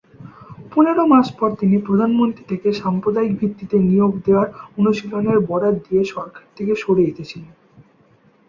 পনেরো মাস পর তিনি প্রধানমন্ত্রী থেকে সাম্প্রদায়িক ভিত্তিতে নিয়োগ দেওয়ার অনুশীলনের বরাত দিয়ে সরকার থেকে সরে এসেছিলেন।